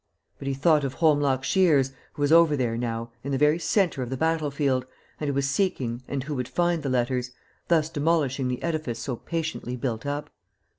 But he thought of Holmlock Shears, who was over there now, in the very centre of the battlefield, and who was seeking and who would find the letters, thus demolishing the edifice so patiently built up.